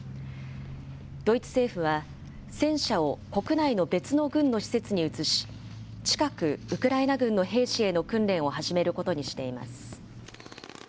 ドイツ政府は、戦車を国内の別の軍の施設に移し、近く、ウクライナ軍の兵士への訓練を始めることにしています。